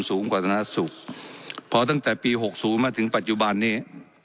สูงกว่าธนสุขพอตั้งแต่ปีหกศูนย์มาถึงปัจจุบันนี้